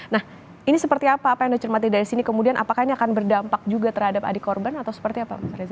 nah ini seperti apa apa yang anda cermati dari sini kemudian apakah ini akan berdampak juga terhadap adik korban atau seperti apa mas reza